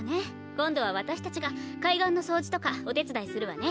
今度は私たちが海岸の掃除とかお手伝いするわね。